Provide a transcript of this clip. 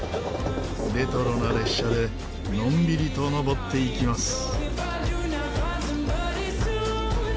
レトロな列車でのんびりと登っていきます。